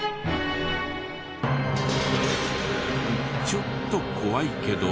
ちょっと怖いけど。